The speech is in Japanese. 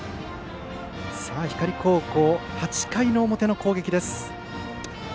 光高校、８回の表の攻撃です。